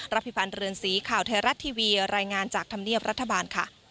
พิพันธ์เรือนสีข่าวไทยรัฐทีวีรายงานจากธรรมเนียบรัฐบาลค่ะ